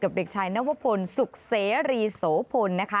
เด็กชายนวพลสุขเสรีโสพลนะคะ